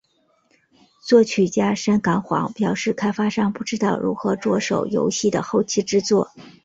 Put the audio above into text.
作曲家山冈晃表示开发商不知道如何着手游戏的后期制作。